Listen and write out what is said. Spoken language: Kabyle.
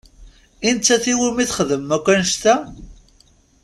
I nettat i wumi txedmem akk annect-a?